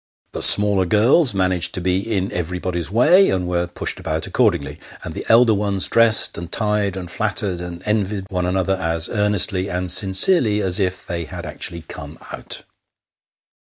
The smaller girls managed to be in everybody's way, and were pushed about accordingly ; and the elder ones dressed, and tied, and flattered, and envied, one another, as earnestly and sincerely as if they had actually come out.